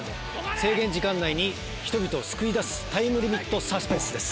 制限時間内に人々を救い出すタイムリミットサスペンスです。